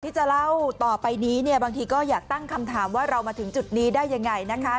ที่จะเล่าต่อไปนี้เนี่ยบางทีก็อยากตั้งคำถามว่าเรามาถึงจุดนี้ได้ยังไงนะคะ